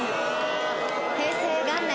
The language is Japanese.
平成元年